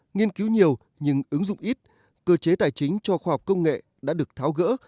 nghiên cứu nhiều nhưng ứng dụng ít cơ chế tài chính cho khoa học công nghệ đã được tháo gỡ